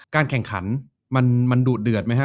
การแข่งขันมันดูดเดือดไหมคะ